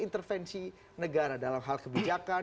intervensi negara dalam hal kebijakan